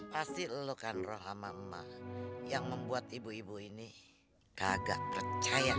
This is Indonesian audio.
pasti lo kan roh amat amat yang membuat ibu ibu ini kagak percaya